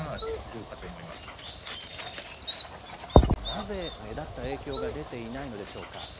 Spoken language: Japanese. なぜ目立った影響が出ていないのでしょうか。